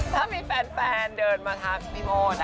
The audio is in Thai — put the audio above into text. ถ้ามีแฟนเดินมาทามพี่โมท